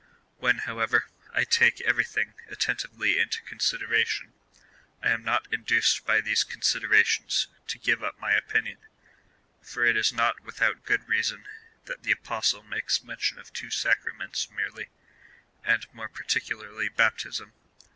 When, however, I take everything attentively into consideration, I am not induced by these considerations to give up my opinion ; for it is not without good reason that the Apostle makes mention of two sacraments merely, and, more j^ar ticularly, baptism.